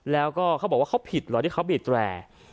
แล้วก็เขาบอกว่าเขาผิดเหรอที่เขาบีดแร่